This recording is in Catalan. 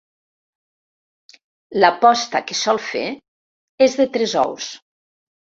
La posta que sol fer és de tres ous.